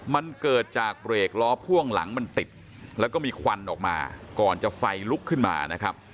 มันเกิดจากเบรกล้อพ่วงหลังมันติดแล้วก็มีควันออกมาก่อนจะไฟลุกขึ้นมานะครับ